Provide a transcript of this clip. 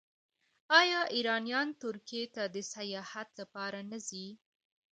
آیا ایرانیان ترکیې ته د سیاحت لپاره نه ځي؟